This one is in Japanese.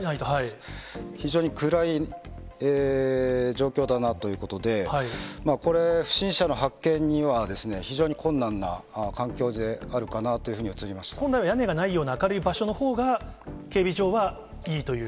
非常に暗い状況だなということで、これ、不審者の発見には非常に困難な環境であるかなというふうに映りま本来は屋根がないような明るい場所のほうが、警備上はいいという？